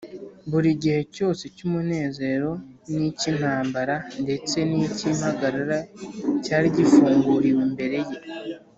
buri gihe cyose cy’umunezero, n’icy’intambara ndetse n’icy’impagarara cyari gifunguriwe imbere ye